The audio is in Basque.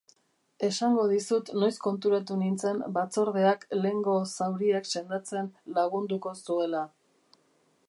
Esango dizut noiz konturatu nintzen Batzordeak lehengo zauriak sendatzen lagunduko zuela.